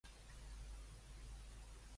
Ha fet exposicions fora d'Espanya?